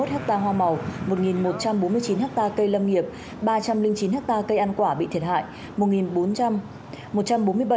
một trăm bốn mươi chín hectare cây lâm nghiệp ba trăm linh chín hectare cây ăn quả bị thiệt hại một bốn trăm linh